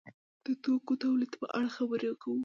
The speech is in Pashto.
د توکو تولید په اړه خبرې کوو.